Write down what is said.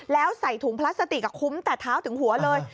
แล้วใส่ถุงพลาสติกคุ้มแต่เท้าถึงหัวเลย